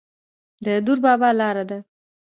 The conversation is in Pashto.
د دور بابا لاره ده